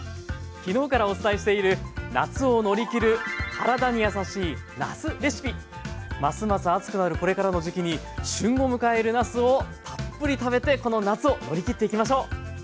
きのうからお伝えしているますます暑くなるこれからの時期に旬を迎えるなすをたっぷり食べてこの夏を乗りきっていきましょう！